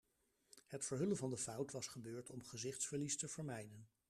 Het verhullen van de fout was gebeurt om gezichtsverlies te vermijden.